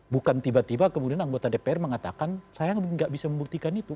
bukan tiba tiba kemudian anggota dpr mengatakan saya nggak bisa membuktikan itu